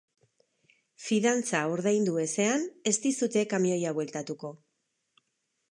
Fidantza ordaindu ezean ez dizute kamioia bueltatuko.